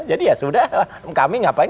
jadi ya sudah kami ngapain